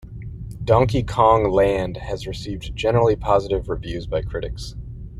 "Donkey Kong Land" has received generally positive reviews by critics.